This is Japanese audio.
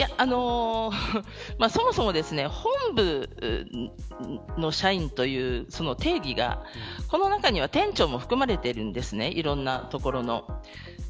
そもそも本部の社員という定義が、この中には店長も含まれているんです。